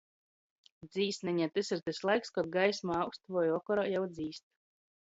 Dzīsneņa - tys ir tys laiks, kod gaisma aust voi vokorā jau dzīst.